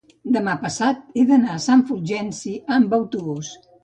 Demà passat he d'anar a Sant Fulgenci amb autobús.